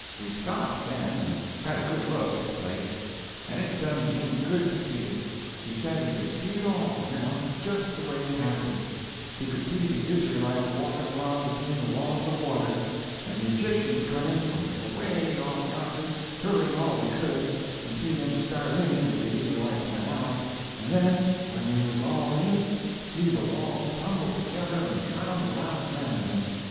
We stopped, then, and had a good look at the place, and it done Jim good to see it. He said he could see it all, now, just the way it happened; he could see the Israelites walking along between the walls of water, and the Egyptians coming, from away off yonder, hurrying all they could, and see them start in as the Israelites went out, and then when they was all in, see the walls tumble together and drown the last man of them.